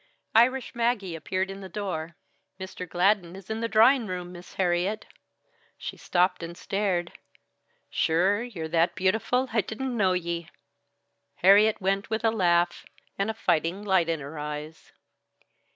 Irish Maggie appeared in the door. "Mr. Gladden is in the drawin' room, Miss Harriet." She stopped and stared. "Sure, ye're that beautiful I didn't know ye!" Harriet went with a laugh and a fighting light in her eyes.